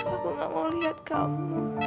aku gak mau lihat kamu